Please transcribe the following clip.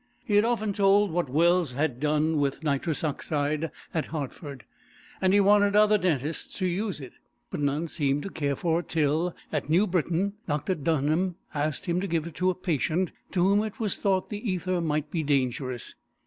He had often told what Wells had done with nitrous oxide at Hartford, and he wanted other dentists to use it, but none seemed to care for it till, at New Britain, Dr. Dunham asked him to give it to a patient to whom it was thought the ether might be dangerous.